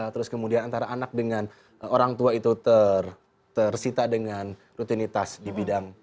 terus kemudian antara anak dengan orang tua itu tersita dengan rutinitas di bidang